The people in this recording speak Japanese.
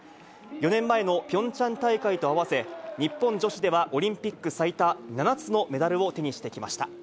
４年前のピョンチャン大会と合わせ、日本女子ではオリンピック最多、７つのメダルを手にしてきました。